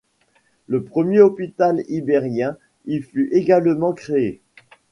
Le premier hôpital Ibérien y fut également créé.